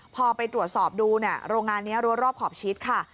พอไปตรวจสอบดูโรงงานนี้รอรอบขอบชิดค่ะ